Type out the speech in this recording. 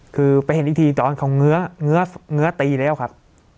คือไปเห็นอีกทีตอนเขาเงื้อตีแล้วครับ